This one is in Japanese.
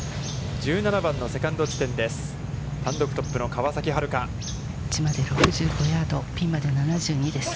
１７番のセカンド地点です。